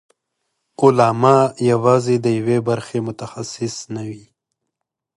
علامه یوازې د یوې برخې متخصص نه وي.